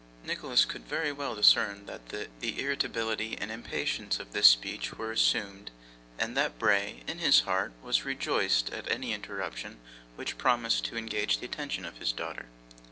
Nicholas could very well discern that the irritability and impatience of this speech were assumed, and that Bray, in his heart, was rejoiced at any interruption which promised to engage the attention of his daughter.